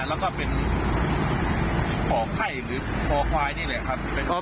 แล้วก็เป็นของไข้หรือคอควายนี่แหละครับ